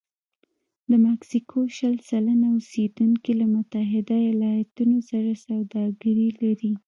د مکسیکو شل سلنه اوسېدونکي له متحده ایالتونو سره سوداګري لري.